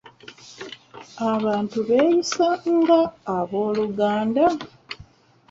Abantu beeyisa nga abooluganda.